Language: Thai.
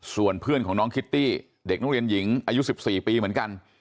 ส่วนเพื่อนของน้องคิตตี้เด็กนักเรียนหญิงอายุ๑๔ปีเหมือนกัน